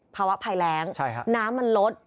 ภาวะภัยแรงน้ำมันลด